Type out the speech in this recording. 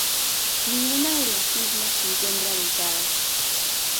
Ninguna de las islas se encuentra habitada.